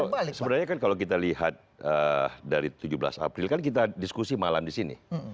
sebenarnya kan kalau kita lihat dari tujuh belas april kan kita diskusi malam di sini